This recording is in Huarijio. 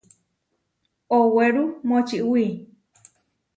Owéru močiwí.